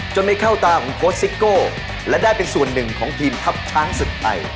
ไม่เข้าตาของโค้ชซิโก้และได้เป็นส่วนหนึ่งของทีมทัพช้างศึกไทย